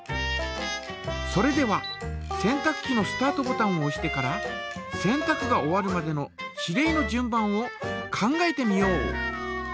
それでは洗濯機のスタートボタンをおしてから洗濯が終わるまでの指令の順番を考えてみよう。